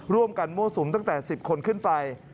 ร่วมกันมั่วสุมตั้งแต่๑๐คนขึ้นไป